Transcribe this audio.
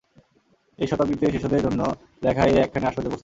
এই শতাব্দীতে শিশুদের জন্য লেখা এ একখানি আশ্চর্য পুস্তক।